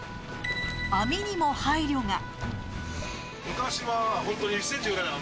網にも配慮が。